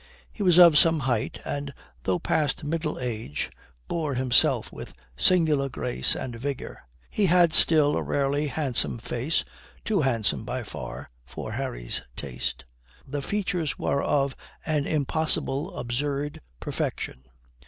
He was of some height, and, though past middle age, bore himself with singular grace and vigour. He had still a rarely handsome face too handsome, by far, for Harry's taste. The features were of an impossible, absurd perfection.